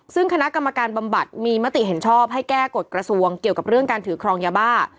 ซึ่งคณะกรรมการบำบัดมีมติเห็นชอบให้แก้กฎกระทรวงเกี่ยวกับเรื่องการถือครองยาบ้า